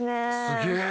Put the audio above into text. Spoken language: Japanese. すげえ。